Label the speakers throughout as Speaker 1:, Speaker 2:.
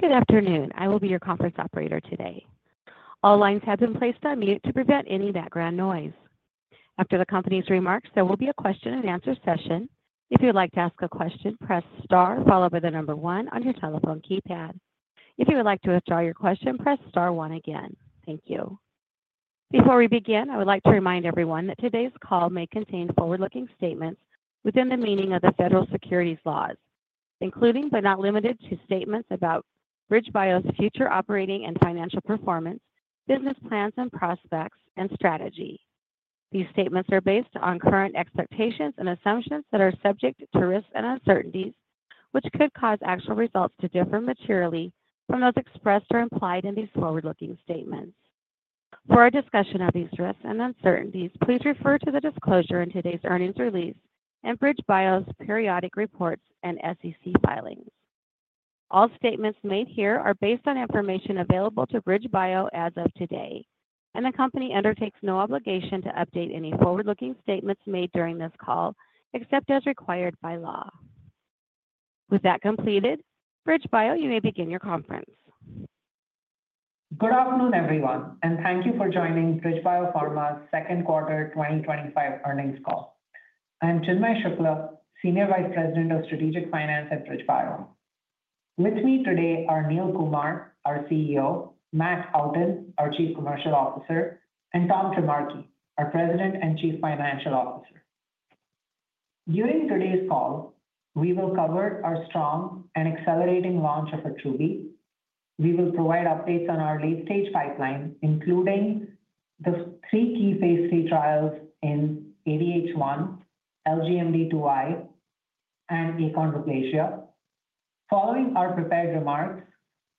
Speaker 1: Good afternoon. I will be your conference operator today. All lines have been placed on mute to prevent any background noise. After the company's remarks, there will be a question and answer session. If you would like to ask a question, press star followed by the number one on your telephone keypad. If you would like to withdraw your question, press star one again. Thank you. Before we begin, I would like to remind everyone that today's call may contain forward-looking statements within the meaning of the federal securities laws, including but not limited to statements about BridgeBio's future operating and financial performance, business plans and prospects, and strategy. These statements are based on current expectations and assumptions that are subject to risks and uncertainties, which could cause actual results to differ materially from those expressed or implied in these forward-looking statements. For a discussion of these risks and uncertainties, please refer to the disclosure in today's earnings release and BridgeBio's periodic reports and SEC filings. All statements made here are based on information available to BridgeBio as of today, and the company undertakes no obligation to update any forward-looking statements made during this call except as required by law. With that completed, BridgeBio, you may begin your conference.
Speaker 2: Good afternoon, everyone, and thank you for joining BridgeBio Pharma's Second Quarter 2025 Earnings call. I'm Chinmay Shukla, Senior Vice President of Strategic Finance at BridgeBio. With me today are Neil Kumar, our CEO, Matt Outten, our Chief Commercial Officer, and Tom Trimarchi, our President and Chief Financial Officer. During today's call, we will cover our strong and accelerating launch of Attruby. We will provide updates on our late-stage pipeline, including the three key phase III trials in ADH1, LGMD2I, and achondroplasia. Following our prepared remarks,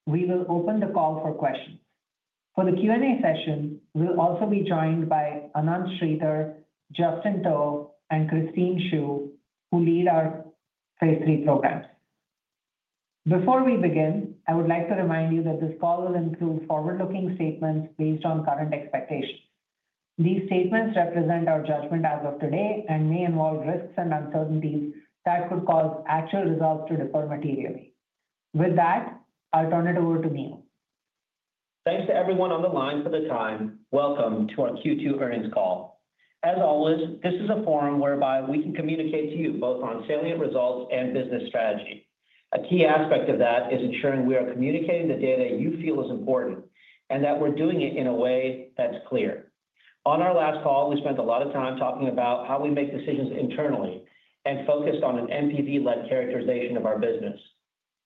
Speaker 2: we will open the call for questions. For the Q&A session, we'll also be joined by Ananth Sridhar, Justin To, and Christine Siu, who lead our phase III programs. Before we begin, I would like to remind you that this call will include forward-looking statements based on current expectations. These statements represent our judgment as of today and may involve risks and uncertainties that could cause actual results to differ materially. With that, I'll turn it over to Neil.
Speaker 3: Thanks to everyone on the line for the time. Welcome to our Q2 Earnings Call. As always, this is a forum whereby we can communicate to you both on salient results and business strategy. A key aspect of that is ensuring we are communicating the data you feel is important and that we're doing it in a way that's clear. On our last call, we spent a lot of time talking about how we make decisions internally and focused on an NPV-led characterization of our business.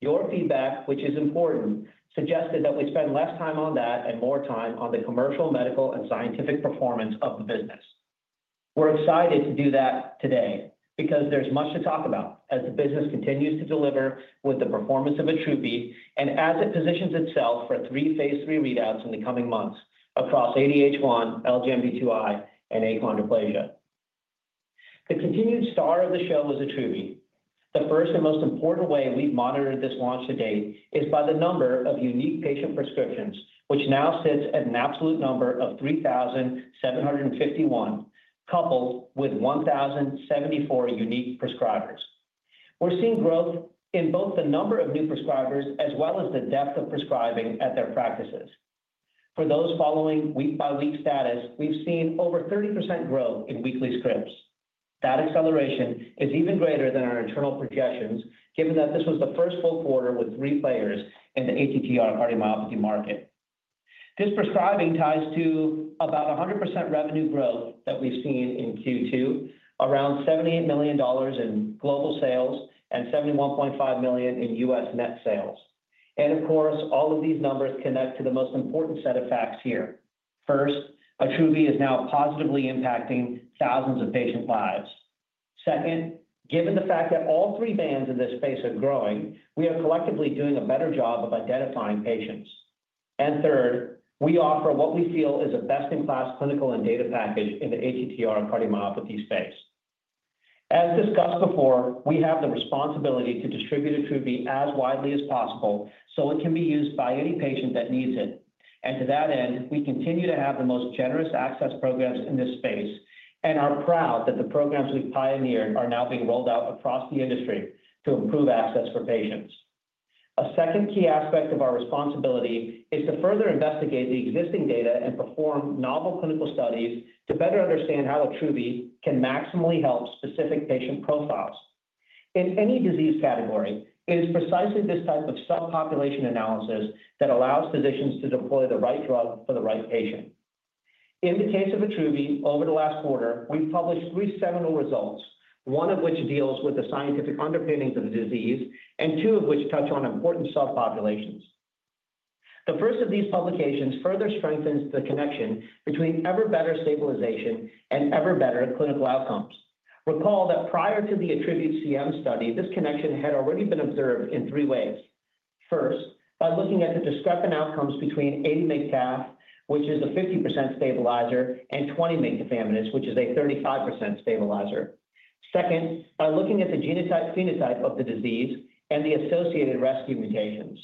Speaker 3: Your feedback, which is important, suggested that we spend less time on that and more time on the commercial, medical, and scientific performance of the business. We're excited to do that today because there's much to talk about as the business continues to deliver with the performance of Attruby, and as it positions itself for three phase III readouts in the coming months across ADH1, LGMD2I, and achondroplasia. The continued star of the show is Attruby. The first and most important way we've monitored this launch to date is by the number of unique patient prescriptions, which now sits at an absolute number of 3,751, coupled with 1,074 unique prescribers. We're seeing growth in both the number of new prescribers as well as the depth of prescribing at their practices. For those following week-by-week status, we've seen over 30% growth in weekly scripts. That acceleration is even greater than our internal projections, given that this was the first full quarter with three players in the ATTR-CM market. This prescribing ties to about 100% revenue growth that we've seen in Q2, around $78 million in global sales and $71.5 million in U.S. net sales. Of course, all of these numbers connect to the most important set of facts here. First, Attruby is now positively impacting thousands of patient lives. Second, given the fact that all three bands in this space are growing, we are collectively doing a better job of identifying patients. Third, we offer what we feel is a best-in-class clinical and data package in the ATTR-CM space. As discussed before, we have the responsibility to distribute Attruby as widely as possible so it can be used by any patient that needs it. To that end, we continue to have the most generous access programs in this space and are proud that the programs we've pioneered are now being rolled out across the industry to improve access for patients. A second key aspect of our responsibility is to further investigate the existing data and perform novel clinical studies to better understand how Attruby can maximally help specific patient profiles. In any disease category, it is precisely this type of population analysis that allows physicians to deploy the right drug for the right patient. In the case of Attruby, over the last quarter, we've published three seminal results, one of which deals with the scientific underpinnings of the disease and two of which touch on important subpopulations. The first of these publications further strengthens the connection between ever-better stabilization and ever-better clinical outcomes. Recall that prior to the Attruby CM study, this connection had already been observed in three ways. First, by looking at the discrepant outcomes between 80 mg tafamidis, which is a 50% stabilizer, and 20 mg diflunisal, which is a 35% stabilizer. Second, by looking at the genotype-phenotype of the disease and the associated rescue mutations.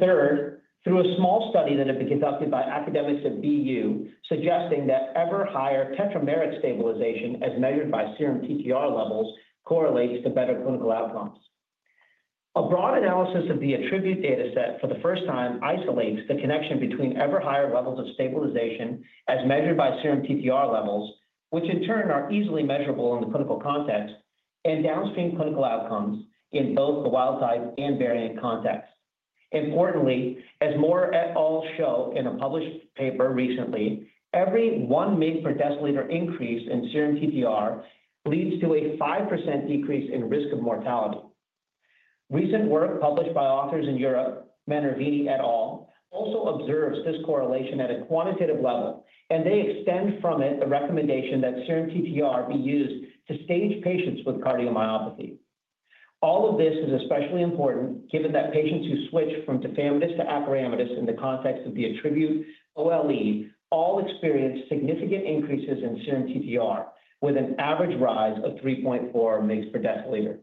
Speaker 3: Third, through a small study that had been conducted by academics at BU, suggesting that ever-higher tetrameric stabilization, as measured by serum TTR levels, correlates to better clinical outcomes. A broad analysis of the Attruby dataset for the first time isolates the connection between ever-higher levels of stabilization, as measured by serum TTR levels, which in turn are easily measurable in the clinical context, and downstream clinical outcomes in both the wild type and variant context. Importantly, as Maurer et al. show in a published paper recently, every 1 mg per deciliter increase in serum TTR leads to a 5% decrease in risk of mortality. Recent work published by authors in Europe, Mannarino et al., also observes this correlation at a quantitative level, and they extend from it a recommendation that serum TTR be used to stage patients with cardiomyopathy. All of this is especially important given that patients who switch from diflunisal to acoramidis, in the context of the Attruby OLE, all experience significant increases in serum TTR, with an average rise of 3.4 mg per deciliter.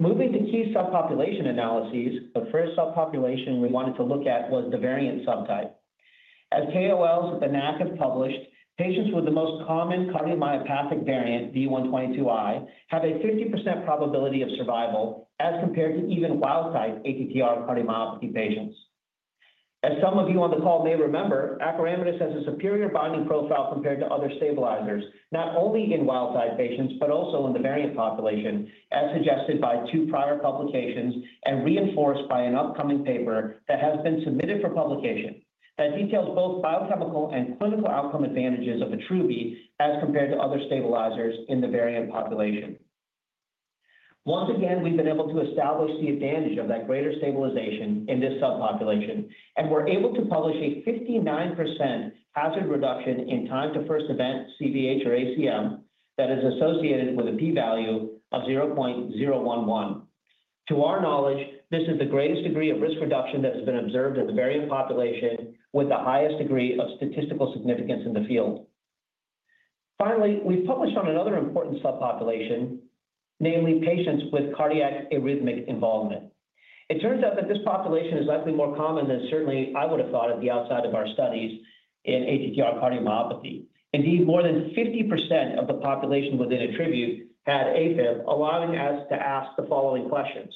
Speaker 3: Moving to key subpopulation analyses, the first subpopulation we wanted to look at was the variant subtype. As KOLs at the NAC have published, patients with the most common cardiomyopathic variant, V122I, have a 50% probability of survival as compared to even wild-type ATTR cardiomyopathy patients. As some of you on the call may remember, Attruby has a superior binding profile compared to other stabilizers, not only in wild-type patients but also in the variant population, as suggested by two prior publications and reinforced by an upcoming paper that has been submitted for publication that details both biochemical and clinical outcome advantages of Attruby as compared to other stabilizers in the variant population. Once again, we've been able to establish the advantage of that greater stabilization in this subpopulation, and we're able to publish a 59% hazard reduction in time-to-first event, CVH or ACM, that is associated with a p-value of 0.011. To our knowledge, this is the greatest degree of risk reduction that has been observed in the variant population with the highest degree of statistical significance in the field. Finally, we've published on another important subpopulation, namely patients with cardiac arrhythmic involvement. It turns out that this population is likely more common than certainly I would have thought outside of our studies in ATTR cardiomyopathy. Indeed, more than 50% of the population within Attruby had AFib, allowing us to ask the following questions: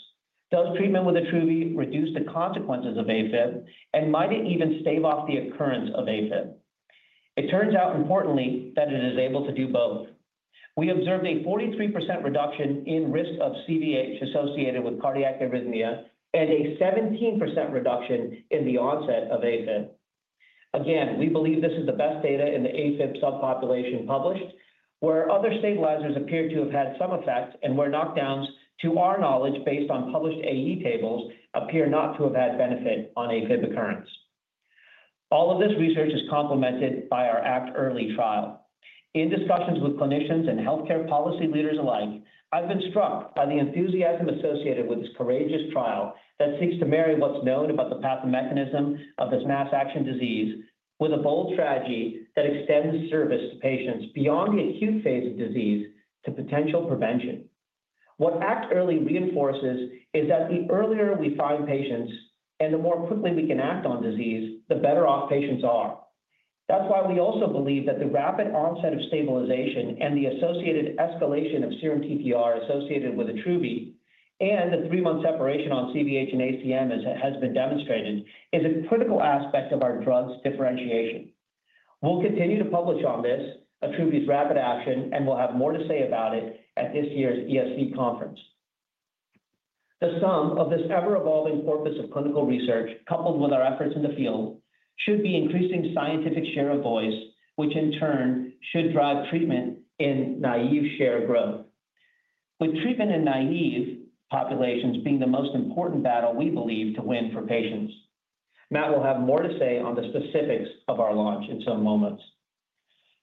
Speaker 3: Does treatment with Attruby reduce the consequences of AFib, and might it even stave off the occurrence of AFib? It turns out, importantly, that it is able to do both. We observed a 43% reduction in risk of CVH associated with cardiac arrhythmia and a 17% reduction in the onset of AFib. Again, we believe this is the best data in the AFib subpopulation published, where other stabilizers appear to have had some effects, and where knockdowns, to our knowledge based on published AE tables, appear not to have had benefit on AFib occurrence. All of this research is complemented by our ACT-EARLY trial. In discussions with clinicians and healthcare policy leaders alike, I've been struck by the enthusiasm associated with this courageous trial that seeks to marry what's known about the pathomechanism of this mass-action disease with a bold strategy that extends service to patients beyond the acute phase of disease to potential prevention. What ACT-EARLY reinforces is that the earlier we find patients and the more quickly we can act on disease, the better off patients are. That's why we also believe that the rapid onset of stabilization and the associated escalation of serum TTR associated with Attruby and the three-month separation on CVH and ACM has been demonstrated as a critical aspect of our drug's differentiation. We'll continue to publish on this, Attruby's rapid action, and we'll have more to say about it at this year's ESC conference. The sum of this ever-evolving corpus of clinical research, coupled with our efforts in the field, should be increasing scientific share of voice, which in turn should drive treatment-naive share growth, with treatment-naive populations being the most important battle we believe to win for patients. Matt will have more to say on the specifics of our launch in some moments.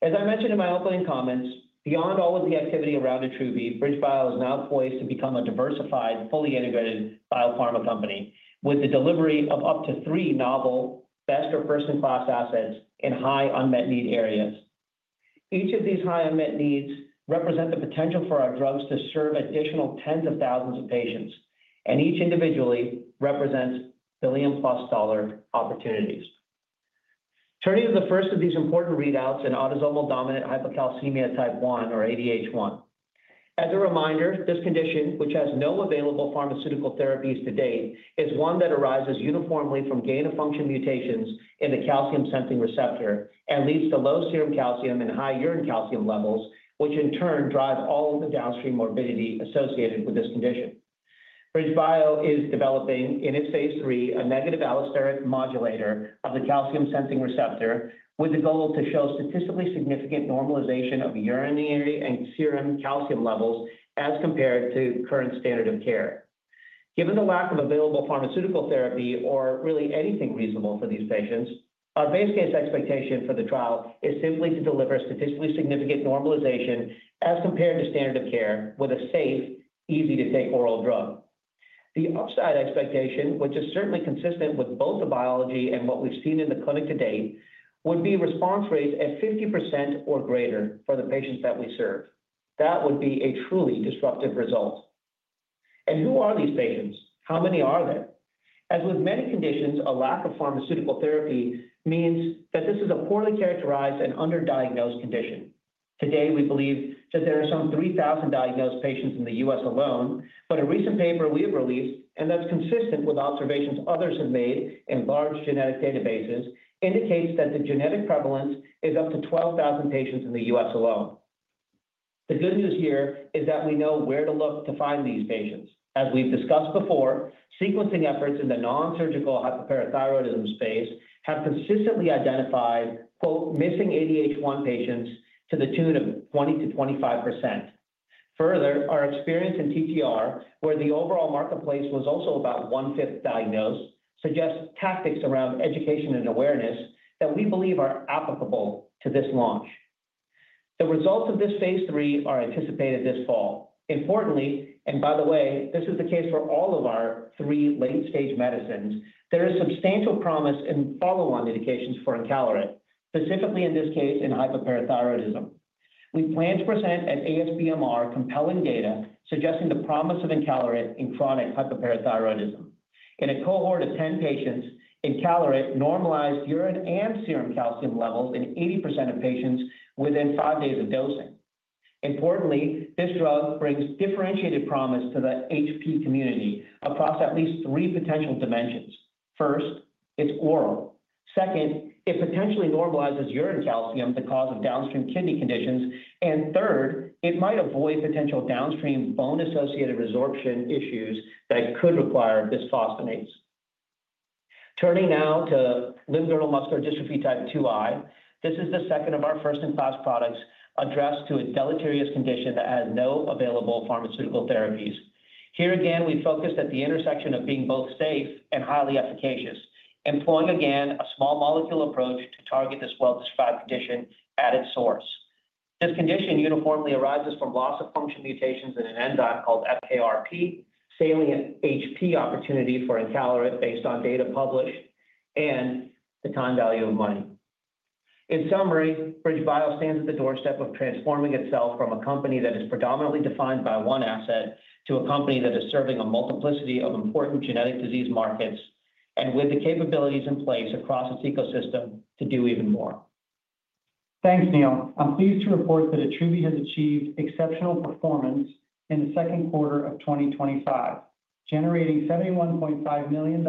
Speaker 3: As I mentioned in my opening comments, beyond all of the activity around Attruby, BridgeBio is now poised to become a diversified, fully integrated biopharma company with the delivery of up to three novel, best-of-person class assets in high unmet need areas. Each of these high unmet needs represents the potential for our drugs to serve additional tens of thousands of patients, and each individually represents billion-plus dollar opportunities. Turning to the first of these important readouts in autosomal dominant hypocalcemia type 1, or ADH1. As a reminder, this condition, which has no available pharmaceutical therapies to date, is one that arises uniformly from gain-of-function mutations in the calcium-sensing receptor and leads to low serum calcium and high urine calcium levels, which in turn drive all of the downstream morbidity associated with this condition. BridgeBio is developing, in its phase III, a negative allosteric modulator of the calcium-sensing receptor with the goal to show statistically significant normalization of urinary and serum calcium levels as compared to current standard of care. Given the lack of available pharmaceutical therapy or really anything reasonable for these patients, our base case expectation for the trial is simply to deliver statistically significant normalization as compared to standard of care with a safe, easy-to-take oral drug. The upside expectation, which is certainly consistent with both the biology and what we've seen in the clinic to date, would be response rates at 50% or greater for the patients that we serve. That would be a truly disruptive result. Who are these patients? How many are there? As with many conditions, a lack of pharmaceutical therapy means that this is a poorly characterized and underdiagnosed condition. Today, we believe that there are some 3,000 diagnosed patients in the U.S. alone, but a recent paper we have released, and that's consistent with observations others have made in large genetic databases, indicates that the genetic prevalence is up to 12,000 patients in the U.S. alone. The good news here is that we know where to look to find these patients. As we've discussed before, sequencing efforts in the nonsurgical hyperparathyroidism space have consistently identified, quote, "missing ADH1 patients" to the tune of 20%-25%. Further, our experience in TTR, where the overall marketplace was also about one-fifth diagnosed, suggests tactics around education and awareness that we believe are applicable to this launch. The results of this phase III are anticipated this fall. Importantly, and by the way, this is the case for all of our three late-stage medicines, there is substantial promise in follow-on indications for encaleret, specifically in this case in hyperparathyroidism. We plan to present at ASBMR compelling data suggesting the promise of encaleret in chronic hyperparathyroidism. In a cohort of 10 patiets encaleret normalized urine and serum calcium levels in 80% of patients within five days of dosing. Importantly, this drug brings differentiated promise to the HP community across at least three potential dimensions. First, it's oral. Second, it potentially normalizes urine calcium, the cause of downstream kidney conditions. Third, it might avoid potential downstream bone-associated resorption issues that could require bisphosphonates. Turning now to limb-girdle muscular dystrophy type 2i, this is the second of our first-in-class products addressed to a deleterious condition that has no available pharmaceutical therapies. Here again, we focused at the intersection of being both safe and highly efficacious, employing again a small molecule approach to target this well-described condition at its source. This condition uniformly arises from loss of function mutations in an enzyme called FKRP, salient HP opportunity for encaleret based on data published, and the time value of money. In summary, BridgeBio stands at the doorstep of transforming itself from a company that is predominantly defined by one asset to a company that is serving a multiplicity of important genetic disease markets, with the capabilities in place across its ecosystem to do even more.
Speaker 4: Thanks, Neil. I'm pleased to report that Attruby has achieved exceptional performance in the second quarter of 2025, generating $71.5 million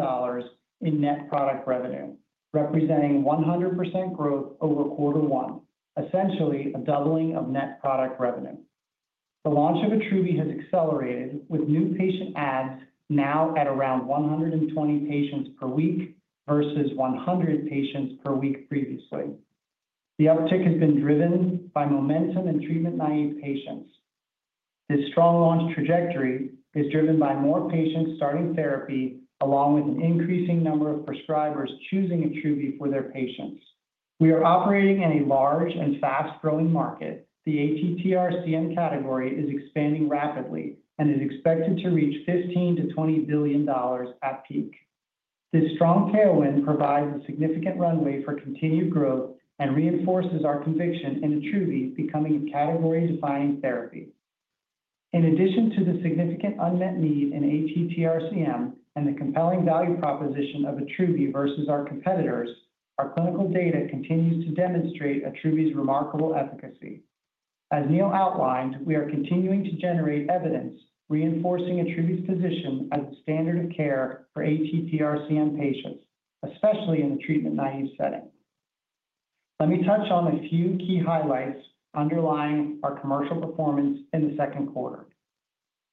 Speaker 4: in net product revenue, representing 100% growth over quarter one, essentially a doubling of net product revenue. The launch of Attruby has accelerated with new patient adds now at around 120 patients per week versus 100 patients per week previously. The uptick has been driven by momentum in treatment-naive patients. This strong launch trajectory is driven by more patients starting therapy, along with an increasing number of prescribers choosing Attruby for their patients. We are operating in a large and fast-growing market. The ATTR-CM category is expanding rapidly and is expected to reach $15 billion-$20 billion at peak. This strong tailwind provides a significant runway for continued growth and reinforces our conviction in Attruby becoming a category-defining therapy. In addition to the significant unmet need in ATTR-CM and the compelling value proposition of Attruby versus our competitors, our clinical data continues to demonstrate Attruby's remarkable efficacy. As Neil outlined, we are continuing to generate evidence reinforcing Attrubyi's position as a standard of care for ATTR-CM patients, especially in the treatment-naive setting. Let me touch on a few key highlights underlying our commercial performance in the second quarter.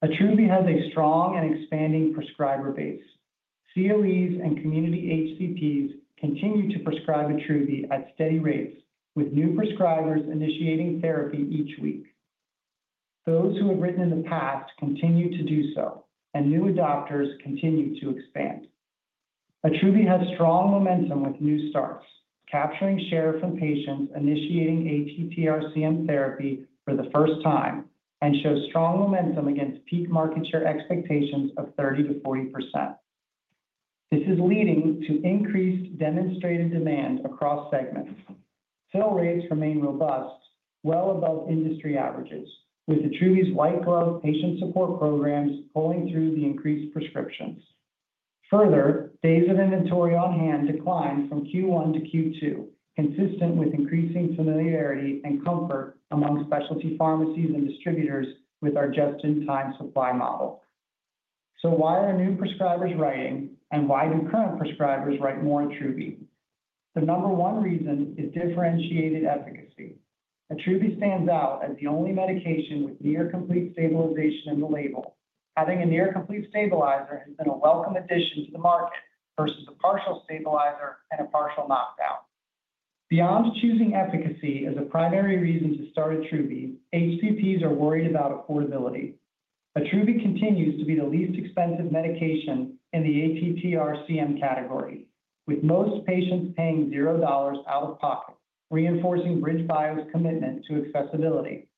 Speaker 4: Attruby has a strong and expanding prescriber base. COEs and community HCPs continue to prescribe Attruby at steady rates, with new prescribers initiating therapy each week. Those who have written in the past continue to do so, and new adopters continue to expand. Attruby has strong momentum with new starts, capturing share from patients initiating ATTR-CM therapy for the first time and shows strong momentum against peak market share expectations of 30%-40%. This is leading to increased demonstrated demand across segments. Fill rates remain robust, well above industry averages, with Attruby's white-glove patient support programs pulling through the increased prescriptions. Further, days of inventory on hand decline from Q1 to Q2, consistent with increasing familiarity and comfort among specialty pharmacies and distributors with our just-in-time supply model. Why are new prescribers writing, and why do current prescribers write more Attruby? The number one reason is differentiated efficacy. Attruby stands out as the only medication with near-complete stabilization in the label, having a near-complete stabilizer and a welcome addition to the market versus a partial stabilizer and a partial knockdown. Beyond choosing efficacy as a primary reason to start Attruby, HCPs are worried about affordability. Attruby continues to be the least expensive medication in the ATTR-CM category, with most patients paying $0 out of pocket, reinforcing BridgeBio Pharma's commitment to accessibility.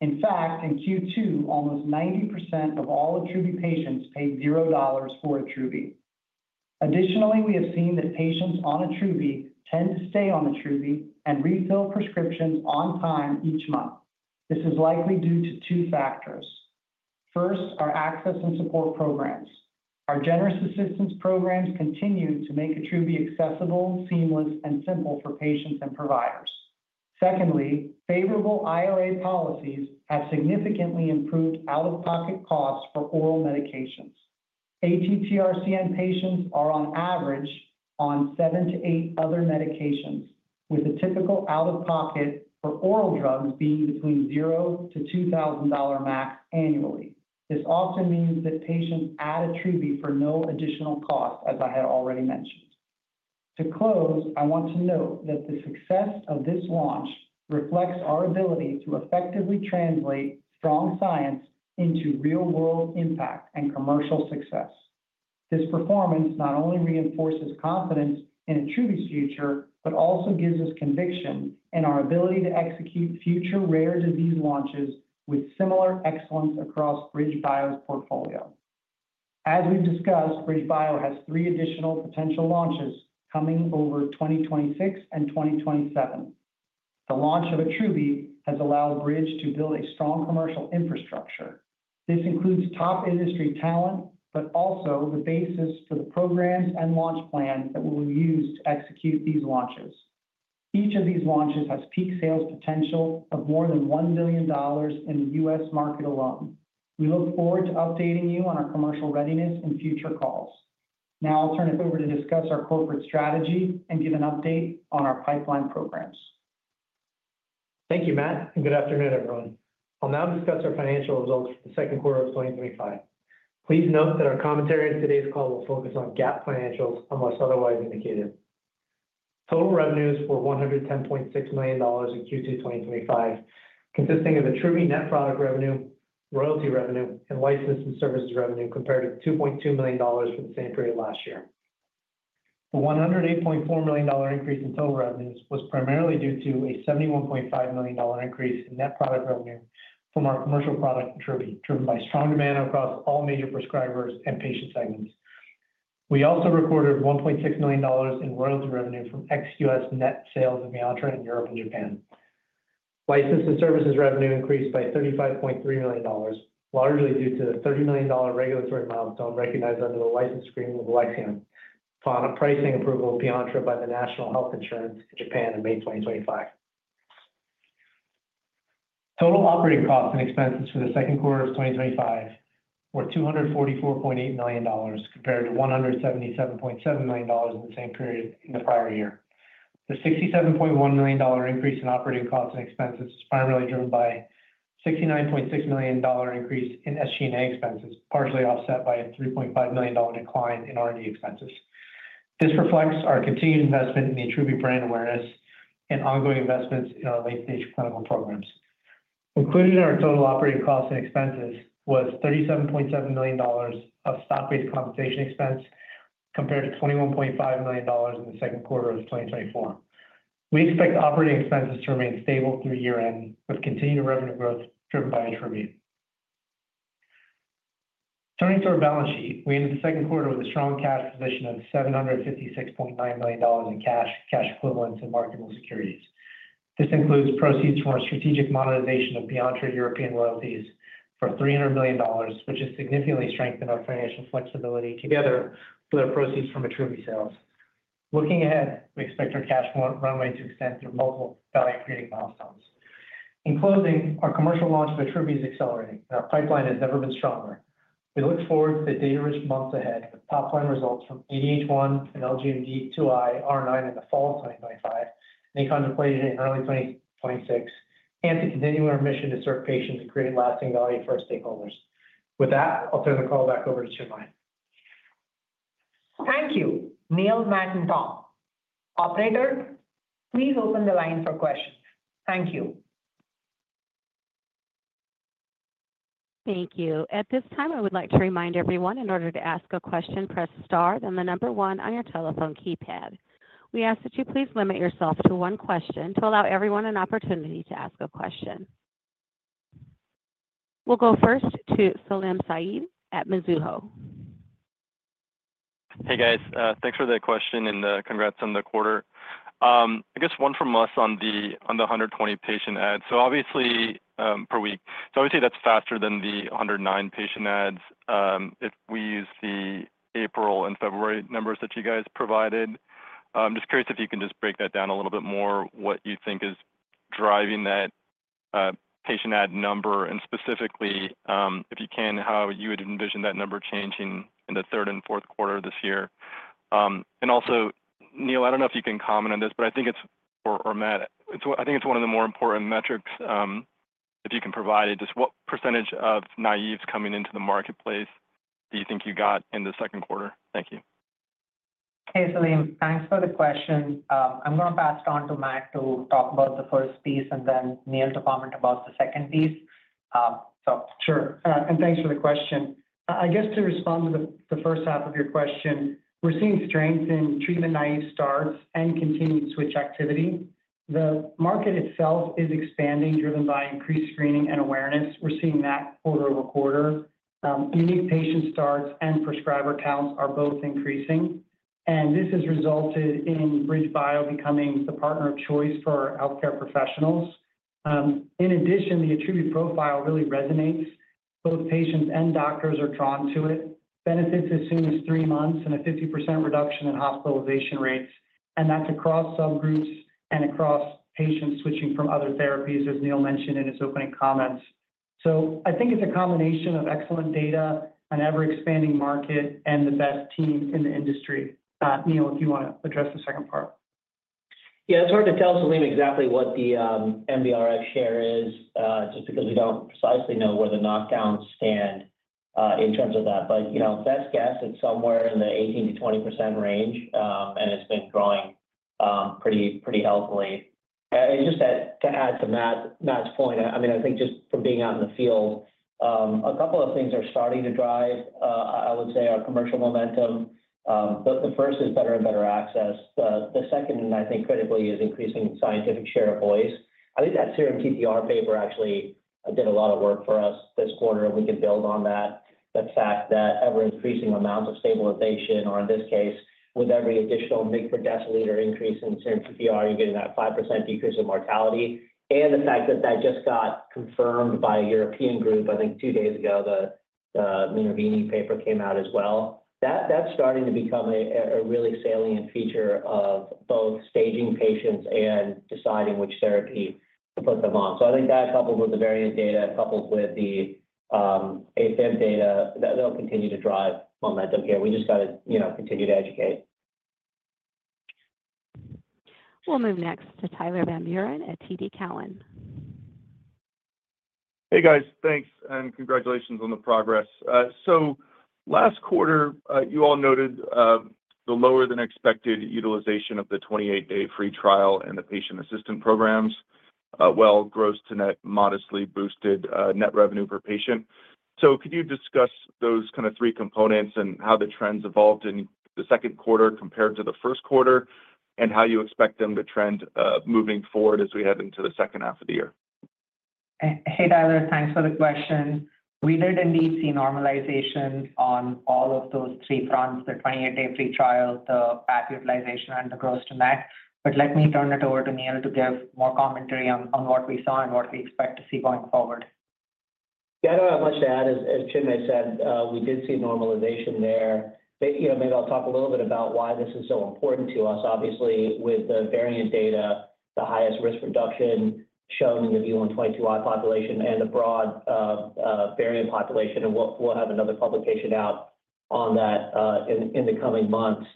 Speaker 4: In fact, in Q2, almost 90% of all Attruby patients paid $0 for Attruby. Additionally, we have seen that patients on Attruby tend to stay on Attruby and refill prescriptions on time each month. This is likely due to two factors. First, our access and support programs. Our generous assistance programs continue to make Attruby accessible, seamless, and simple for patients and providers. Secondly, favorable IRA policies have significantly improved out-of-pocket costs for oral medications. ATTR-CM patients are on average on seven to eight other medications, with a typical out-of-pocket for oral drugs being between $0-$2,000 max annually. This often means that patients add Attruby for no additional cost, as I had already mentioned. To close, I want to note that the success of this launch reflects our ability to effectively translate strong science into real-world impact and commercial success. This performance not only reinforces confidence in Attruby's future but also gives us conviction in our ability to execute future rare disease launches with similar excellence across BridgeBio's portfolio. As we've discussed, BridgeBio has three additional potential launches coming over 2026 and 2027. The launch of Attruby has allowed Bridge to build a strong commercial infrastructure. This includes top industry talent, but also the basis for the programs and launch plans that we'll use to execute these launches. Each of these launches has peak sales potential of more than $1 billion in the U.S. market alone. We look forward to updating you on our commercial readiness in future calls. Now I'll turn it over to discuss our corporate strategy and give an update on our pipeline programs.
Speaker 5: Thank you, Matt, and good afternoon, everyone. I'll now discuss our financial results for the second quarter of 2025. Please note that our commentary in today's call will focus on GAAP financials unless otherwise indicated. Total revenues were $110.6 million in Q2 2025, consisting of Attruby net product revenue, royalty revenue, and life system services revenue, compared to $2.2 million for the same period last year. The $108.4 million increase in total revenues was primarily due to a $71.5 million increase in net product revenue from our commercial product Attruby, driven by strong demand across all major prescribers and patient segments. We also recorded $1.6 million in royalty revenue from ex-U.S. net sales of Viagra in Europe and Japan. Life system services revenue increased by $35.3 million, largely due to the $30 million regulatory milestone recognized under the license agreement of Lexian, final pricing approval of Viagra by the National Health Insurance in Japan in May 2025. Total operating costs and expenses for the second quarter of 2025 were $244.8 million compared to $177.7 million in the same period in the prior year. The $67.1 million increase in operating costs and expenses is primarily driven by a $69.6 million increase in SG&A expenses, partially offset by a $3.5 million decline in R&D expenses. This reflects our continued investment in the Attruby brand awareness and ongoing investments in our late-stage clinical programs. Included in our total operating costs and expenses was $37.7 million of stock-based compensation expense compared to $21.5 million in the second quarter of 2024. We expect operating expenses to remain stable through year-end with continued revenue growth driven by Attruby. Turning to our balance sheet, we ended the second quarter with a strong cash position of $756.9 million in cash, cash equivalents, and marketable securities. This includes proceeds from our strategic modernization of Viagra to European royalties for $300 million, which has significantly strengthened our financial flexibility together with our proceeds from Attruby sales. Looking ahead, we expect our cash runway to extend through multiple value-creating milestones. In closing, our commercial launch of Attruby is accelerating, and our pipeline has never been stronger. We look forward to the data-rich months ahead, with top-line results from ADH1 and LGMD2iI at the fall 2025 and contemplated in early 2026, and continuing our mission to serve patients and create lasting value for our stakeholders. With that, I'll turn the call back over to Chinmay.
Speaker 2: Thank you, Neil, Matt, and To. Operator, please open the line for questions. Thank you.
Speaker 1: Thank you. At this time, I would like to remind everyone, in order to ask a question, press star then the number one on your telephone keypad. We ask that you please limit yourself to one question to allow everyone an opportunity to ask a question. We'll go first to Salim Syed at Mizuho.
Speaker 6: Hey, guys. Thanks for the question and congrats on the quarter. I guess one from us on the 120 patient adds per week. Obviously, that's faster than the 109 patient adds if we use the April and February numbers that you guys provided. I'm just curious if you can break that down a little bit more, what you think is driving that patient add number, and specifically, if you can, how you would envision that number changing in the third and fourth quarter of this year. Also, Neil, I don't know if you can comment on this, but I think it's, or Matt, I think it's one of the more important metrics if you can provide it. Just what percentage of naives coming into the marketplace do you think you got in the second quarter? Thank you.
Speaker 2: Hey, Salim. Thanks for the question. I'm going to pass it on to Matt to talk about the first piece, and then Neil to comment about the second piece.
Speaker 4: Sure. Thanks for the question. I guess to respond to the first half of your question, we're seeing strength in treatment-naive starts and continued switch activity. The market itself is expanding, driven by increased screening and awareness. We're seeing that over a quarter. Unique patient starts and prescriber counts are both increasing. This has resulted in BridgeBio becoming the partner of choice for healthcare professionals. In addition, the Attruby profile really resonates. Both patients and doctors are drawn to it. Benefits as soon as three months and a 50% reduction in hospitalization rates. That's across subgroups and across patients switching from other therapies, as Neil mentioned in his opening comments. I think it's a combination of excellent data, an ever-expanding market, and the best team in the industry. Neil, if you want to address the second part.
Speaker 3: Yeah, it's hard to tell, Salim, exactly what the NBRx share is just because we don't precisely know where the knockdowns stand in terms of that. You know, best guess, it's somewhere in the 18%-20% range, and it's been growing pretty healthily. Just to add to Matt's point, I mean, I think just from being out in the field, a couple of things are starting to drive, I would say, our commercial momentum. The first is better and better access. The second, I think, critically, is increasing scientific share of voice. I think that serum TTR paper actually did a lot of work for us this quarter, and we can build on that. The fact that ever-increasing amounts of stabilization, or in this case, with every additional mg per deciliter increase in serum TTR, you're getting that 5% decrease in mortality. The fact that that just got confirmed by a European group, I think two days ago, the Mannarini paper came out as well. That's starting to become a really salient feature of both staging patients and deciding which therapy to put them on. I think that coupled with the variant data and coupled with the AFib data, that'll continue to drive momentum here. We just got to continue to educate.
Speaker 1: We'll move next to Tyler Van Buren at TD Cowen.
Speaker 7: Hey, guys. Thanks and congratulations on the progress. Last quarter, you all noted the lower than expected utilization of the 28-day free trial and the patient assistance programs. Gross to net modestly boosted net revenue per patient. Could you discuss those three components and how the trends evolved in the second quarter compared to the first quarter, and how you expect them to trend moving forward as we head into the second half of the year?
Speaker 2: Hey, Tyler. Thanks for the question. We did indeed see normalization on all of those three fronts, the 28-day free trial, the back utilization, and the gross to net. Let me turn it over to Neil to give more commentary on what we saw and what we expect to see going forward.
Speaker 3: Yeah, I don't have much to add, as Chinmay said. We did see normalization there. Maybe I'll talk a little bit about why this is so important to us. Obviously, with the variant data, the highest risk reduction shown in the V122I population and the broad variant population. We'll have another publication out on that in the coming months,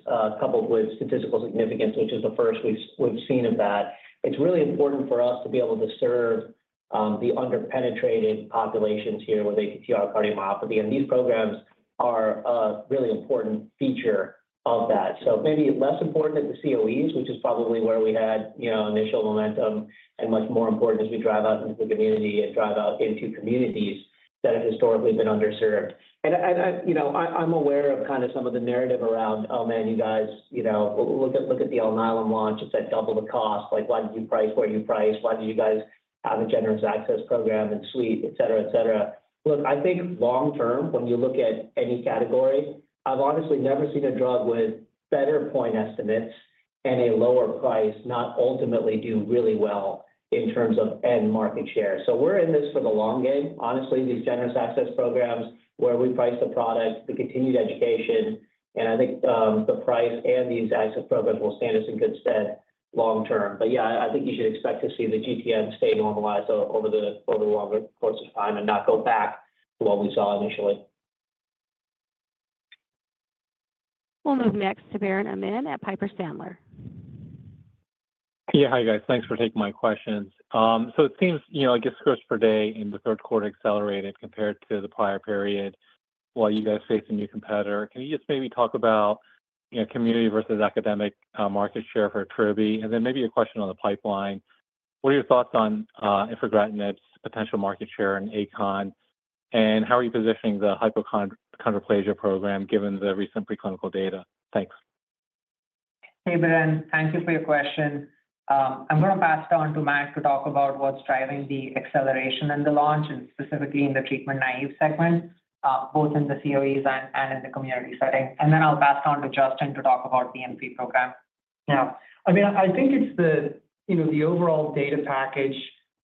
Speaker 3: coupled with statistical significance, which is the first we've seen of that. It's really important for us to be able to serve the underpenetrated populations here with ATTR cardiomyopathy. These programs are a really important feature of that. Maybe less important at the COEs, which is probably where we had initial momentum, and much more important as you drive out into the community and drive out into communities that have historically been underserved. I'm aware of kind of some of the narrative around, "Oh, man, you guys, you know, look at the Alnylam launch. It's at double the cost. Like, why didn't you price where you priced? Why didn't you guys have a generous access program and suite, et cetera, et cetera?" Look, I think long term, when you look at any category, I've honestly never seen a drug with better point estimates and a lower price not ultimately do really well in terms of end market share. We're in this for the long game. Honestly, these generous access programs where we price the product, the continued education, and I think the price and these access programs will stand us in good stead long term. I think you should expect to see the GTM stay normalized over the longer course of time and not go back to what we saw initially.
Speaker 1: We'll move next to Biren Amin at Piper Sandler.
Speaker 8: Yeah, hi, guys. Thanks for taking my questions. It seems, you know, gross per day in the third quarter accelerated compared to the prior period while you guys face a new competitor. Can you just maybe talk about, you know, community versus academic market share for Attruby? Maybe a question on the pipeline. What are your thoughts on infigratinib's potential market share in achondroplasia? How are you positioning the hypochondroplasia program given the recent preclinical data? Thanks.
Speaker 2: Hey, Barn. Thank you for your question. I'm going to pass it on to Matt to talk about what's driving the acceleration in the launch and specifically in the treatment-naive segment, both in the COEs and in the community setting. I'll pass it on to Justin to talk about the BNP program.
Speaker 4: Yeah. I mean, I think it's the overall data package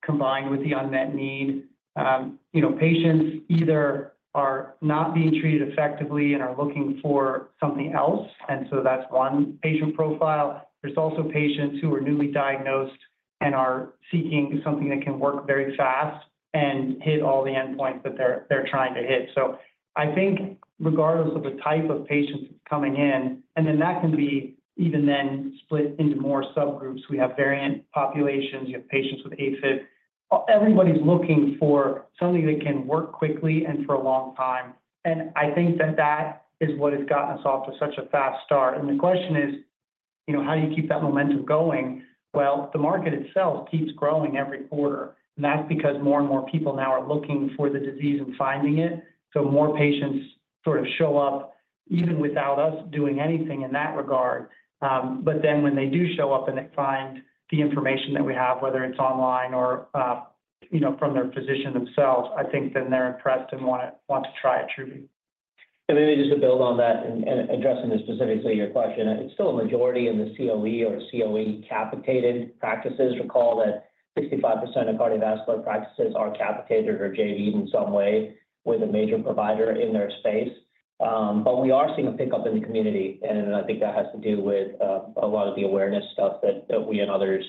Speaker 4: combined with the unmet need. Patients either are not being treated effectively and are looking for something else. That's one patient profile. There's also patients who are newly diagnosed and are seeking something that can work very fast and hit all the endpoints that they're trying to hit. I think regardless of the type of patients coming in, and then that can be even then split into more subgroups. We have variant populations. You have patients with AFib. Everybody's looking for something that can work quickly and for a long time. I think that is what has gotten us off to such a fast start. The question is, how do you keep that momentum going? The market itself keeps growing every quarter. That's because more and more people now are looking for the disease and finding it. More patients sort of show up even without us doing anything in that regard. When they do show up and they find the information that we have, whether it's online or from their physician themselves, I think then they're impressed and want to try Attruby.
Speaker 3: Maybe just to build on that and addressing the specifics that you applied to, it's still a majority in the COE or COE-capitated practices. Recall that 65% of cardiovascular practices are capitated or JV'd in some way with a major provider in their space. We are seeing a pickup in the community. I think that has to do with a lot of the awareness stuff that we and others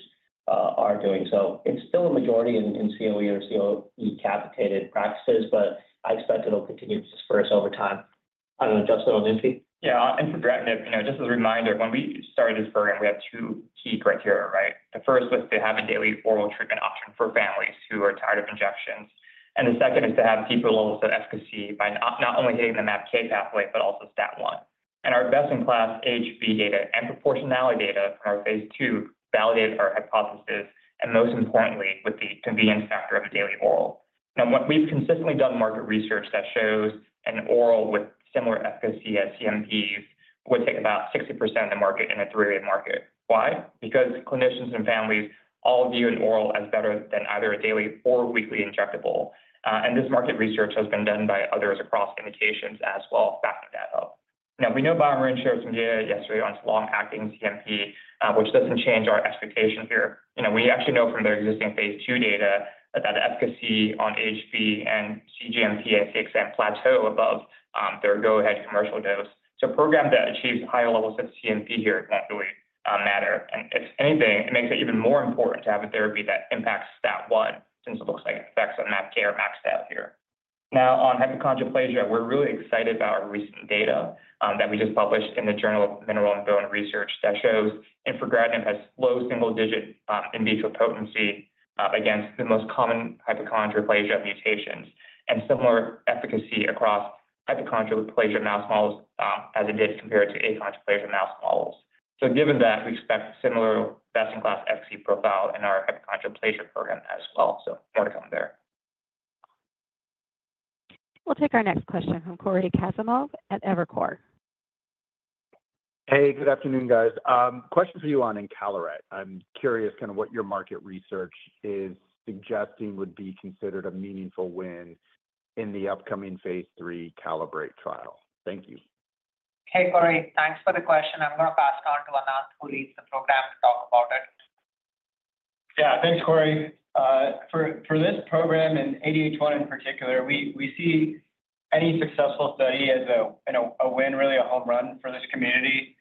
Speaker 3: are doing. It's still a majority in COE or COE-capitated practices, but I expect it'll continue to disperse over time. I don't know. Justin, on this piece?
Speaker 9: Yeah. Infigratinib, just as a reminder, when we started this program, we had two key criteria, right? The first was to have a daily oral treatment option for families who are tired of injections. The second is to have deeper levels of efficacy by not only hitting the MAPK pathway, but also STAT1. Our best-in-class HB data and proportionality data from our phase II validates our hypothesis, and most importantly, with the convenience factor of a daily oral. Now, we've consistently done market research that shows an oral with similar efficacy as CMPs would take about 60% of the market in a three-way market. Why? Because clinicians and families all view an oral as better than either a daily or weekly injectable. This market research has been done by others across indications as well, back to data. We know BioMarin shared some data yesterday on its long-acting CMP, which doesn't change our expectation here. We actually know from their existing phase II, data that the efficacy on HB and cGMP at 6% plateau above their go-ahead commercial dose. A program that achieves higher levels of CMP here does not really matter. If anything, it makes it even more important to have a therapy that impacts STAT1 since it looks like it affects MAPK down here. Now, on hypochondroplasia, we're really excited about our recent data that we just published in the Journal of Mineral and Bone Research that shows infigratinib has low single-digit in vitro potency against the most common hypochondroplasia mutations and similar efficacy across hypochondroplasia mouse models as it is compared to achondroplasia mouse models. Given that, we expect a similar best-in-class efficacy profile in our hypochondroplasia program as well. More to come there.
Speaker 1: We'll take our next question from Cory Kasimov at Evercore.
Speaker 10: Hey, good afternoon, guys. Question for you on encaleret. I'm curious kind of what your market research is suggesting would be considered a meaningful win in the upcoming phase III CALIBRATE trial. Thank you.
Speaker 2: Hey, Cory. Thanks for the question. I'm going to pass it on to Ananth, who leads the program, to talk about it.
Speaker 11: Yeah, thanks, Cory. For this program and ADH1 in particular, we see any successful study as a win, really a home run for this community.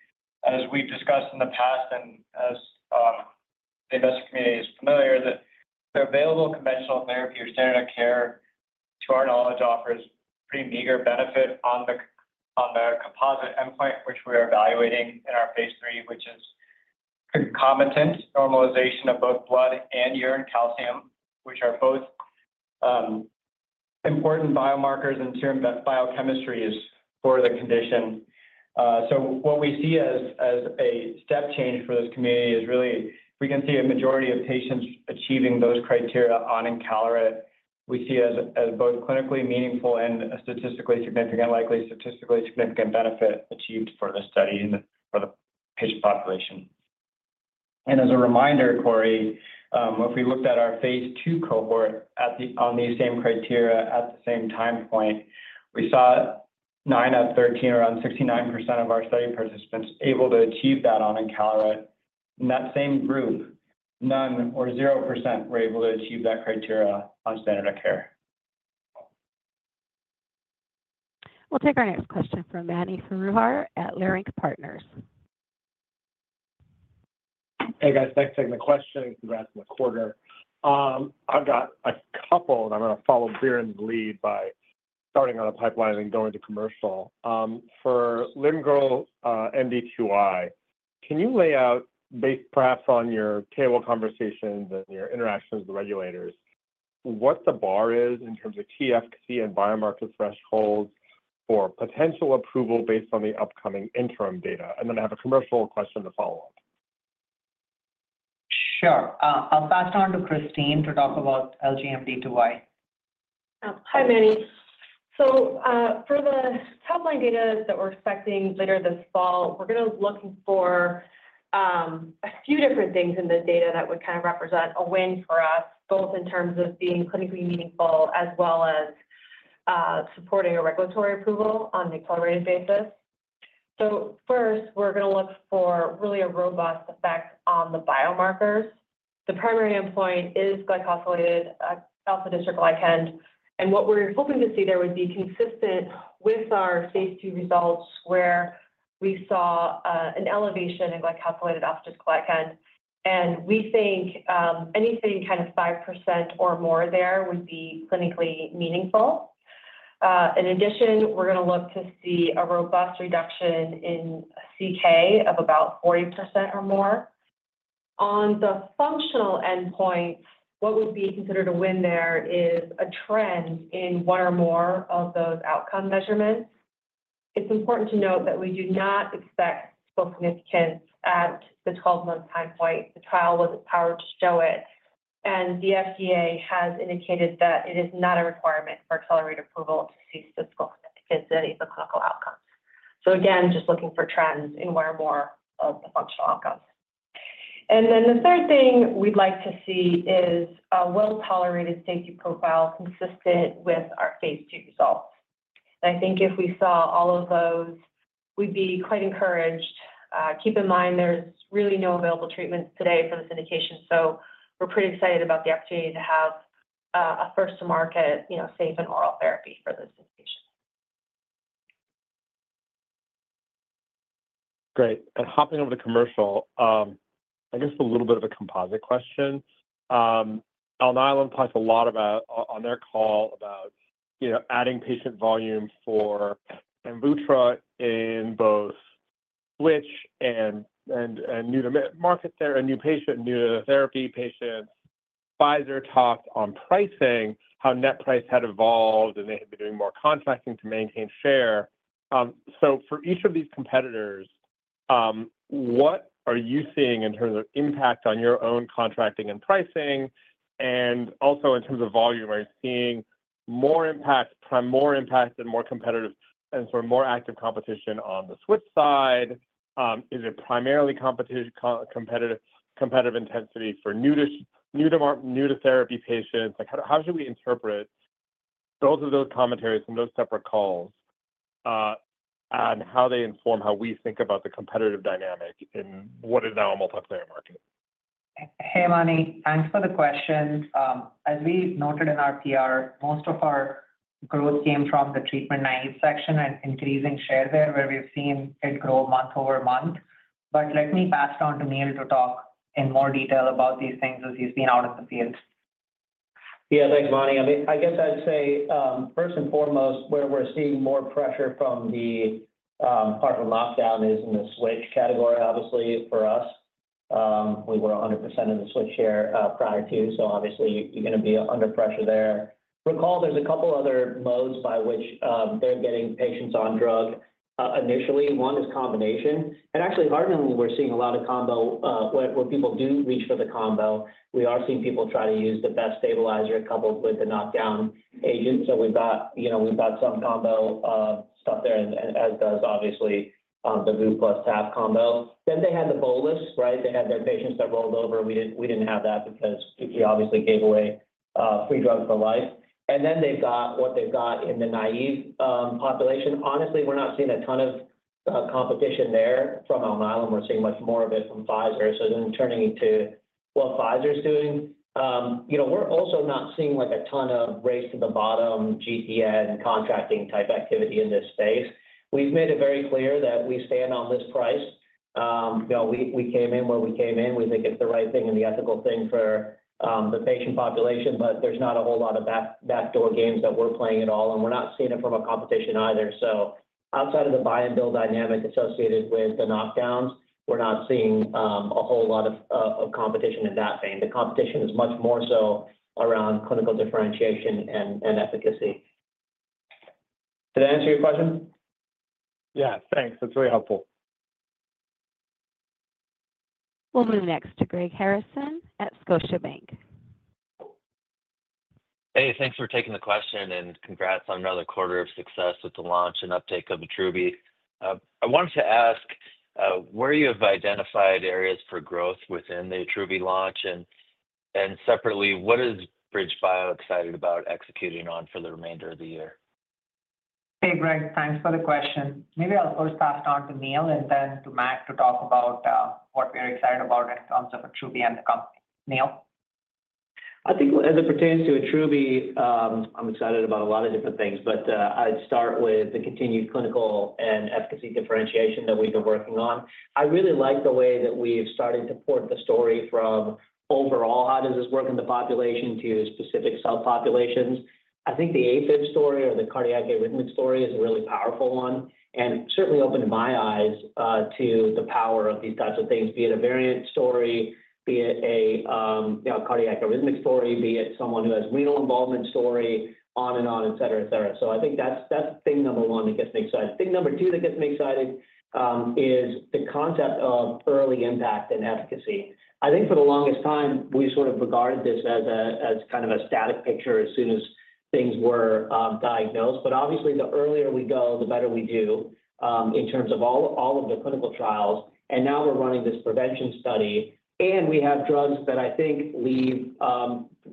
Speaker 11: As we've discussed in the past and as the investor community is familiar, the available conventional therapy or standard of care, to our knowledge, offers pretty meager benefit on the composite endpoint, which we're evaluating in our phase III, which is concomitant normalization of both blood and urine calcium, which are both important biomarkers in terms of biochemistry for the condition. What we see as a step change for this community is really we can see a majority of patients achieving those criteria on encaleret. We see it as both clinically meaningful and a statistically significant, likely statistically significant benefit achieved for this study and for the patient population. As a reminder, Cory, if we looked at our phase II cohort on these same criteria at the same time point, we saw 9 out of 13, around 69% of our study participants able to achieve that on encaleret. In that same group, none or 0% were able to achieve that criteria on standard of care.
Speaker 1: We'll take our next question from Mani Foroohar at Laerink Partners.
Speaker 12: Hey, guys. Thanks for taking the question. Congrats on the quarter. I've got a couple, and I'm going to follow Biren's lead by starting on a pipeline and then going to commercial. For LimbgroMD2I, can you lay out, based perhaps on your KOL conversations and your interactions with the regulators, what the bar is in terms of TFT and biomarker thresholds for potential approval based on the upcoming interim data? I have a commercial question to follow up.
Speaker 2: Sure. I'll pass it on to Christine to talk about LGMD2I.
Speaker 13: Hi, Manny. For the top-line data that we're expecting later this fall, we're going to look for a few different things in the data that would represent a win for us, both in terms of being clinically meaningful as well as supporting a regulatory approval on an accelerated basis. First, we're going to look for a really robust effect on the biomarkers. The primary endpoint is glycosylated alpha disruptant glycan, and what we're hoping to see there would be consistent with our phase II results where we saw an elevation in glycosylated alpha disruptant glycan. We think anything 5% or more there would be clinically meaningful. In addition, we're going to look to see a robust reduction in CK of about 40% or more. On the functional endpoint, what would be considered a win there is a trend in one or more of those outcome measurements. It is important to note that we do not expect full significance at the 12-month time point. The trial was not powered to show it, and the FDA has indicated that it is not a requirement for accelerated approval to see statistical consistency of the clinical outcome. Again, just looking for trends in one or more of the functional outcomes. The third thing we'd like to see is a well-tolerated safety profile consistent with our phase II results. I think if we saw all of those, we'd be quite encouraged. Keep in mind, there's really no available treatments today for this indication, so we're pretty excited about the opportunity to have a first-to-market, safe and oral therapy for this indication.
Speaker 12: Great. Hopping over to commercial, I guess a little bit of a composite question. Alnylam talked a lot about on their call about, you know, adding patient volume for Amvuttra in both switch and new to market therapy patients. Pfizer talked on pricing, how net price had evolved, and they had been doing more contracting to maintain share. For each of these competitors, what are you seeing in terms of impact on your own contracting and pricing? Also, in terms of volume, are you seeing more impact, more impact, and more competitive and sort of more active competition on the switch side? Is it primarily competitive intensity for new to therapy patients? How should we interpret both of those commentaries from those separate calls and how they inform how we think about the competitive dynamic in what is now a multiplayer market?
Speaker 2: Hey, Mani. Thanks for the question. As we noted in our PR, most of our growth came from the treatment-naive section and increasing share there, where we've seen it grow month over month. Let me pass it on to Neil to talk in more detail about these things as he's been out of the field.
Speaker 3: Yeah, thanks, Mani. I mean, I guess I'd say first and foremost, where we're seeing more pressure from the Harvard lockdown is in the switch category, obviously, for us. We were 100% in the switch here prior to, so obviously, you're going to be under pressure there. Recall, there's a couple other modes by which they're getting patients on drug. Initially, one is combination. Actually, hardly, we're seeing a lot of combo when people do reach for the combo. We are seeing people try to use the best stabilizer coupled with the knockdown agents. We've got some combo stuff there, as does, obviously, the boost plus TAV combo. They had the bolus, right? They had their patients that rolled over. We didn't have that because you obviously gave away free drugs for life. They've got what they've got in the naive population. Honestly, we're not seeing a ton of competition there from Alnylam. We're seeing much more of it from Pfizer. Turning to what Pfizer's doing, we're also not seeing like a ton of race to the bottom, GPN, and contracting type activity in this space. We've made it very clear that we stand on this price. We came in where we came in. We think it's the right thing and the ethical thing for the patient population, but there's not a whole lot of backdoor games that we're playing at all, and we're not seeing it from competition either. Outside of the buy and bill dynamic associated with the knockdowns, we're not seeing a whole lot of competition in that vein. The competition is much more so around clinical differentiation and efficacy. Did that answer your question?
Speaker 12: Yeah, thanks. That's really helpful.
Speaker 1: We'll move next to Greg Harrison at Scotia Bank.
Speaker 14: Hey, thanks for taking the question and congrats on another quarter of success with the launch and uptake of Attruby. I wanted to ask, where you have identified areas for growth within the Attruby launch? Separately, what is BridgeBio excited about executing on for the remainder of the year?
Speaker 2: Hey, Greg. Thanks for the question. Maybe I'll first pass it on to Neil and then to Matt to talk about what we're excited about in terms of Attruby and the company. Neil?
Speaker 3: I think as it pertains to Attruby, I'm excited about a lot of different things, but I'd start with the continued clinical and efficacy differentiation that we've been working on. I really like the way that we've started to port the story from overall, how does this work in the population to specific subpopulations? I think the AFib story or the cardiac arrhythmia story is a really powerful one and certainly opened my eyes to the power of these types of things, be it a variant story, be it a cardiac arrhythmia story, be it someone who has renal involvement story, on and on, etc., etc. I think that's thing number one that gets me excited. Thing number two that gets me excited is the concept of early impact and efficacy. I think for the longest time, we sort of regarded this as kind of a static picture as soon as things were diagnosed. Obviously, the earlier we go, the better we do in terms of all of the clinical trials. Now we're running this prevention study, and we have drugs that I think leave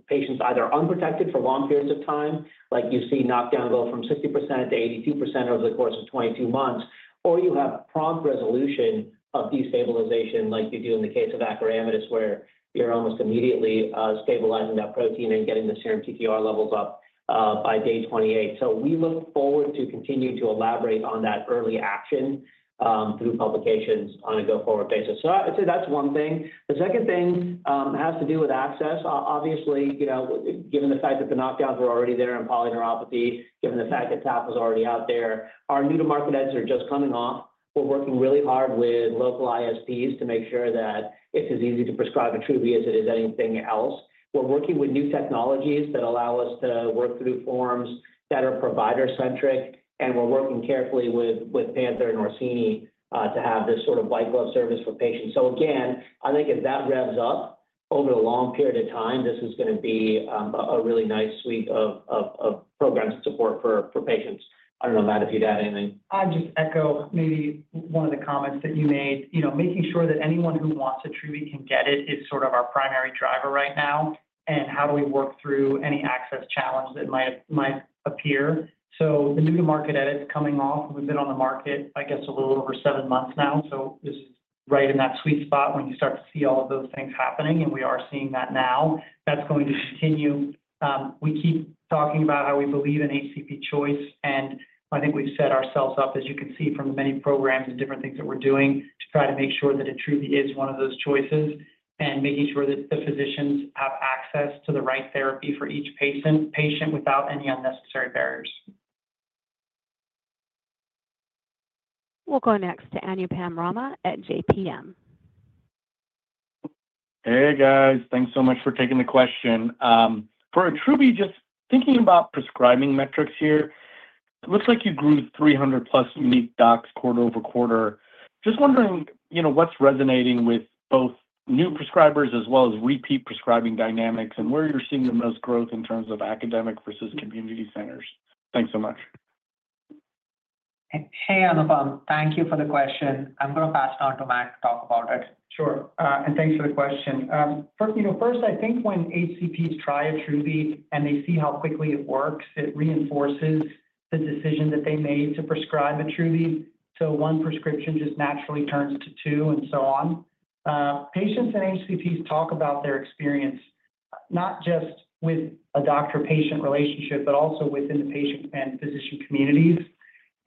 Speaker 3: patients either unprotected for long periods of time, like you see knockdown go from 60%-82% over the course of 22 months, or you have prompt resolution of destabilization like you do in the case of Attruby, where you're almost immediately stabilizing that protein and getting the serum TTR levels up by day 28. We look forward to continuing to elaborate on that early action through publications on a go-forward basis. I would say that's one thing. The second thing has to do with access. Obviously, given the fact that the knockdowns are already there in polyneuropathy, given the fact that TAV is already out there, our new to market EDs are just coming off. We're working really hard with local ISPs to make sure that it's as easy to prescribe Attruby as it is anything else. We're working with new technologies that allow us to work through forms that are provider-centric, and we're working carefully with Panther and Norsini to have this sort of white-glove service for patients. I think if that revs up over a long period of time, this is going to be a really nice suite of programs and support for patients. I don't know, Matt, if you'd add anything.
Speaker 4: I'd just echo maybe one of the comments that you made. You know, making sure that anyone who wants Attruby can get it is sort of our primary driver right now. How do we work through any access challenge that might appear? The new to market edits coming off, we've been on the market, I guess, a little over seven months now. Just right in that sweet spot when you start to see all of those things happening, and we are seeing that now. That's going to continue. We keep talking about how we believe in HCP choice, and I think we've set ourselves up, as you can see from the many programs and different things that we're doing, to try to make sure that it truly is one of those choices and making sure that the physicians have access to the right therapy for each patient without any unnecessary barriers.
Speaker 1: We'll go next to Anupam Rama at JPM.
Speaker 15: Hey, guys. Thanks so much for taking the question. For Attruby, just thinking about prescribing metrics here, it looks like you grew 300+ unique docs quarter-over-quarter. Just wondering, you know, what's resonating with both new prescribers as well as repeat prescribing dynamics, and where you're seeing the most growth in terms of academic versus community practices. Thanks so much.
Speaker 2: Hey, Anupam. Thank you for the question. I'm going to pass it on to Matt to talk about it.
Speaker 4: Sure. Thanks for the question. First, I think when HCPs try Attruby and they see how quickly it works, it reinforces the decision that they made to prescribe Attruby. One prescription just naturally turns to two and so on. Patients and HCPs talk about their experience, not just with a doctor-patient relationship, but also within the patient and physician communities.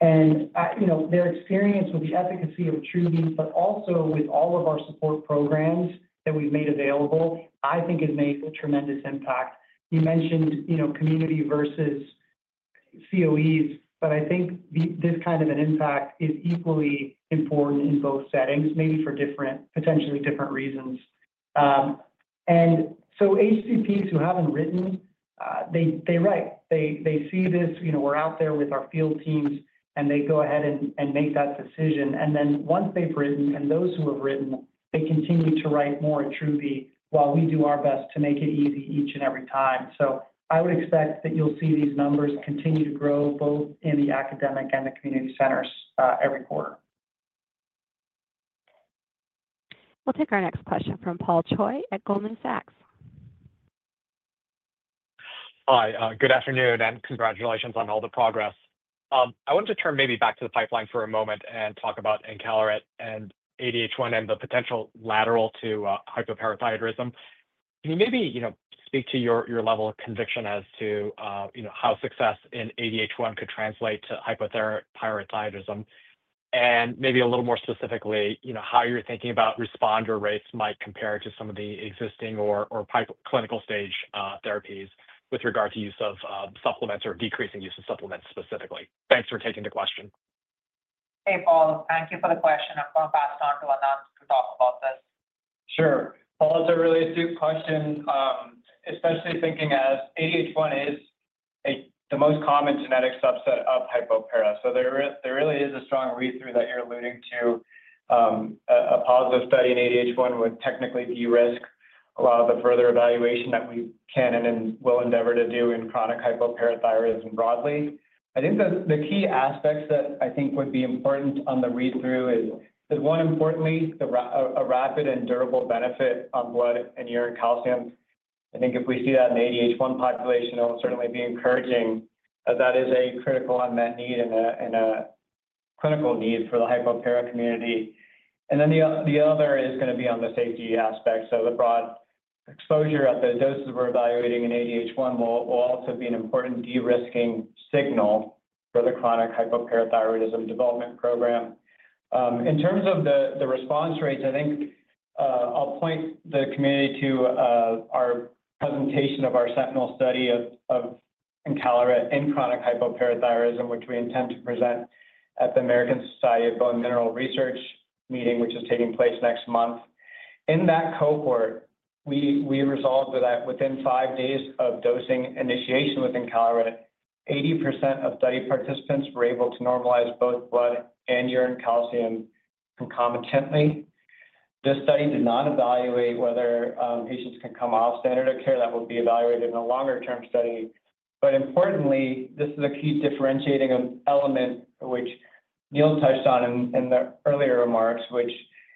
Speaker 4: Their experience with the efficacy of Attruby, but also with all of our support programs that we've made available, I think has made a tremendous impact. You mentioned community versus COEs, but I think this kind of an impact is equally important in both settings, maybe for potentially different reasons. HCPs who haven't written, they write. They see this, we're out there with our field teams, and they go ahead and make that decision. Once they've written and those who have written, they continue to write more Attruby while we do our best to make it easy each and every time. I would expect that you'll see these numbers continue to grow both in the academic and the community centers every quarter.
Speaker 1: We'll take our next question from Paul Choi at Goldman Sachs.
Speaker 16: Hi. Good afternoon and congratulations on all the progress. I wanted to turn maybe back to the pipeline for a moment and talk about encaleret and ADH1 and the potential lateral to hypoparathyroidism. Can you maybe speak to your level of conviction as to how success in ADH1 could translate to hypoparathyroidism? Maybe a little more specifically, how you're thinking about responder rates might compare to some of the existing or clinical stage therapies with regard to use of supplements or decreasing use of supplements specifically. Thanks for taking the question.
Speaker 2: Hey, Paul. Thank you for the question. I'm going to pass it on to Ananth to talk about this.
Speaker 11: Sure. Paul, that's a really astute question, especially thinking that ADH1 is the most common genetic subset of hypoparathyroidism. There really is a strong read-through that you're alluding to. A positive study in ADH1 would technically de-risk a lot of the further evaluation that we can and will endeavor to do in chronic hypoparathyroidism broadly. I think the key aspects that I think would be important on the read-through are, one, importantly, a rapid and durable benefit on blood and urine calcium. If we see that in the ADH1 population, it will certainly be encouraging. That is a critical unmet need and a clinical need for the hypoparathyroidism community. The other is going to be on the safety aspect. The broad exposure of the doses we're evaluating in ADH1 will also be an important de-risking signal for the chronic hypoparathyroidism development program. In terms of the response rates, I'll point the community to our presentation of our sentinel study of encaleret in chronic hypoparathyroidism, which we intend to present at the American Society of Bone Mineral Research meeting, which is taking place next month. In that cohort, we resolved that within five days of dosing initiation with encaleret, 80% of study participants were able to normalize both blood and urine calcium concomitantly. This study did not evaluate whether patients could come off standard of care. That will be evaluated in a longer-term study. Importantly, this is a key differentiating element, which Neil touched on in the earlier remarks, which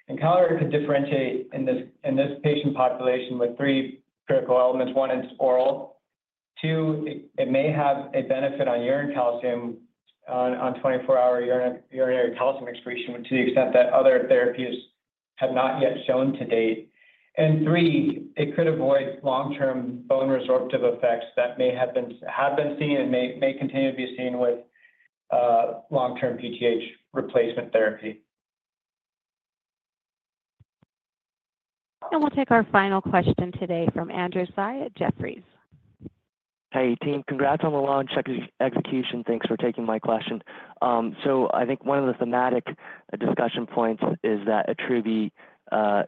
Speaker 11: encaleret could differentiate in this patient population with three critical elements. One, it's oral. Two, it may have a benefit on urine calcium, on 24-hour urinary calcium excretion, to the extent that other therapies have not yet shown to date. Three, it could avoid long-term bone resorptive effects that may have been seen and may continue to be seen with long-term PTH replacement therapy.
Speaker 1: We will take our final question today from Andrew Tsai at Jefferies.
Speaker 17: Hey, team. Congrats on the launch execution. Thanks for taking my question. I think one of the thematic discussion points is that Attruby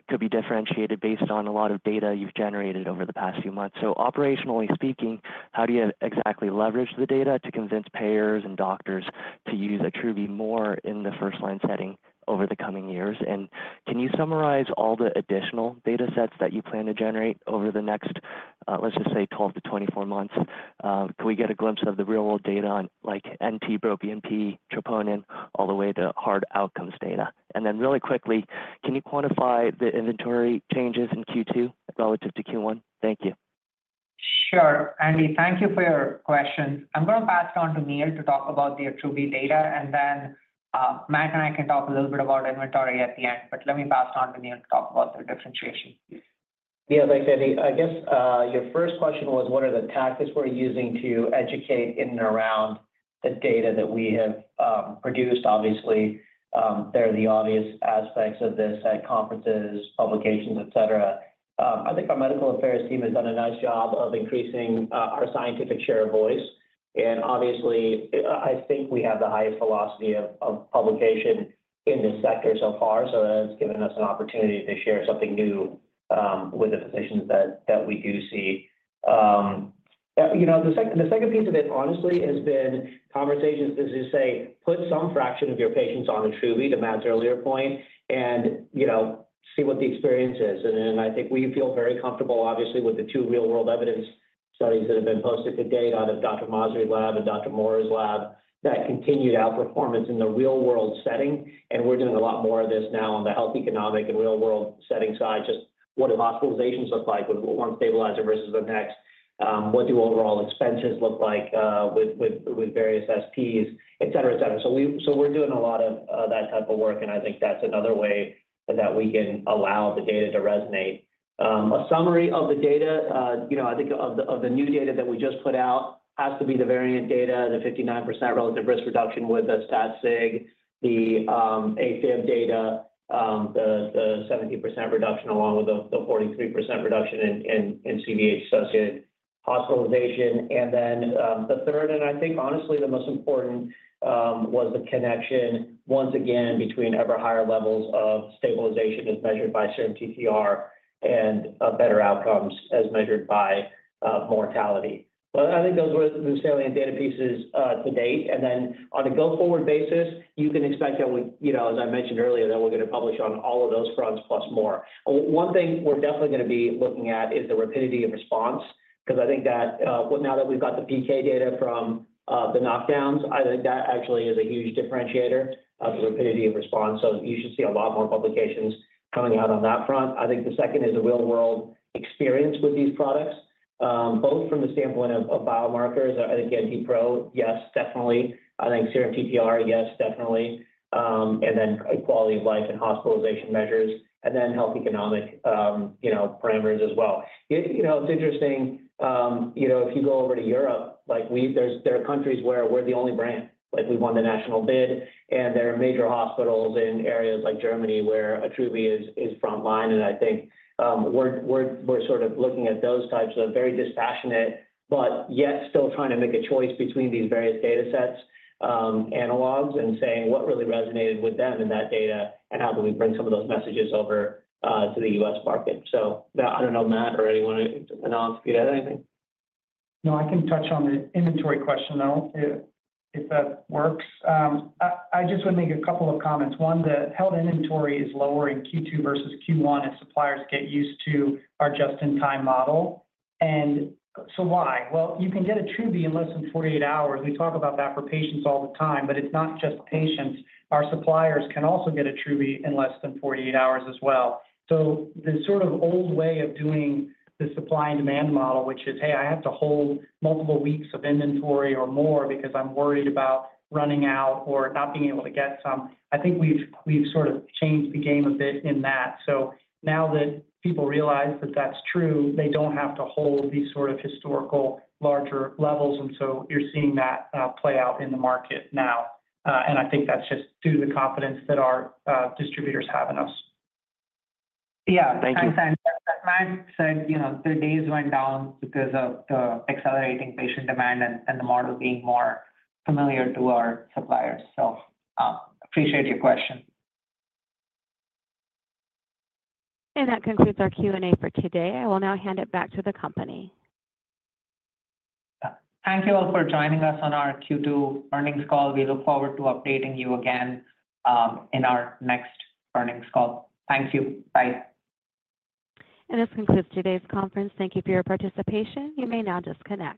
Speaker 17: could be differentiated based on a lot of data you've generated over the past few months. Operationally speaking, how do you exactly leverage the data to convince payers and doctors to use Attruby more in the first-line setting over the coming years? Can you summarize all the additional data sets that you plan to generate over the next, let's just say, 12 to 24 months? Can we get a glimpse of the real-world data on like NT-proBNP, troponin, all the way to hard outcomes data? Really quickly, can you quantify the inventory changes in Q2 relative to Q1? Thank you.
Speaker 2: Sure. Andy, thank you for your question. I'm going to pass it on to Neil to talk about the Attruby data. Matt and I can talk a little bit about inventory at the end. Let me pass it on to Neil to talk about the differentiation.
Speaker 3: Yeah, thanks, Andy. I guess your first question was, what are the tactics we're using to educate in and around the data that we have produced? Obviously, there are the obvious aspects of this at conferences, publications, et cetera. I think our Medical Affairs team has done a nice job of increasing our scientific share of voice. Obviously, I think we have the highest velocity of publication in this sector so far. It's given us an opportunity to share something new with the physicians that we do see. The second piece of it, honestly, has been conversations to just say, put some fraction of your patients on Attruby, to Matt's earlier point, and see what the experience is. I think we feel very comfortable, obviously, with the two real-world evidence studies that have been posted to date out of Dr. Masri's lab and Dr. Moore's lab that continued outperformance in the real-world setting. We're doing a lot more of this now on the health economic and real-world setting side. Just what do hospitalizations look like with one stabilizer versus the next? What do overall expenses look like with various SPs, et cetera, et cetera? We're doing a lot of that type of work. I think that's another way that we can allow the data to resonate. A summary of the data, I think of the new data that we just put out has to be the variant data, the 59% relative risk reduction with the STAT6, the AFib data, the 70% reduction along with the 43% reduction in CVH-associated hospitalization. The third, and I think honestly the most important, was the connection once again between ever higher levels of stabilization as measured by serum TTR and better outcomes as measured by mortality. I think those were the salient data pieces to date. On a go-forward basis, you can expect that we, as I mentioned earlier, are going to publish on all of those fronts plus more. One thing we're definitely going to be looking at is the rapidity of response because I think that now that we've got the PK data from the knockdowns, I think that actually is a huge differentiator of the rapidity of response. You should see a lot more publications coming out on that front. I think the second is the real-world experience with these products, both from the standpoint of biomarkers. I think anti-pro, yes, definitely. I think serum TTR, yes, definitely. Then quality of life and hospitalization measures. Health economic parameters as well. It's interesting, if you go over to Europe, there are countries where we're the only brand. We won the national bid, and there are major hospitals in areas like Germany where Attruby is frontline. I think we're sort of looking at those types of very dispassionate, but yet still trying to make a choice between these various data sets, analogs, and saying what really resonated with them in that data and how can we bring some of those messages over to the U.S. market. I don't know, Matt or anyone else, if you'd add anything?
Speaker 4: No, I can touch on the inventory question, though, if that works. I just would make a couple of comments. One, the held inventory is lower in Q2 versus Q1 as suppliers get used to our just-in-time model. You can get Attruby in less than 48 hours. We talk about that for patients all the time, but it's not just patients. Our suppliers can also get Attruby in less than 48 hours as well. The sort of old way of doing the supply and demand model, which is, hey, I have to hold multiple weeks of inventory or more because I'm worried about running out or not being able to get some, I think we've sort of changed the game a bit in that. Now that people realize that that's true, they don't have to hold these sort of historical larger levels. You're seeing that play out in the market now. I think that's just due to the confidence that our distributors have in us.
Speaker 2: Yeah, thanks. As Matt said, the days went down because of the accelerating patient demand and the model being more familiar to our suppliers. I appreciate your question.
Speaker 1: That concludes our Q&A for today. I will now hand it back to the company.
Speaker 2: Thank you all for joining us on our Q2 earnings call. We look forward to updating you again in our next earnings call. Thank you. Bye.
Speaker 1: This concludes today's conference. Thank you for your participation. You may now disconnect.